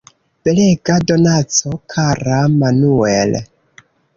Belega donaco, kara Manuel!